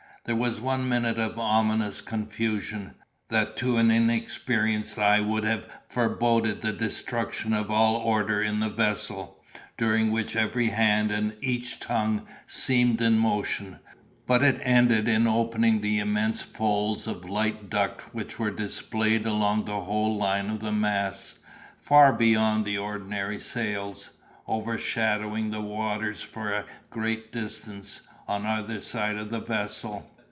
There was one minute of ominous confusion, that to an inexperienced eye would have foreboded the destruction of all order in the vessel, during which every hand, and each tongue, seemed in motion; but it ended in opening the immense folds of light duck which were displayed along the whole line of the masts, far beyond the ordinary sails, overshadowing the waters for a great distance, on either side of the vessel.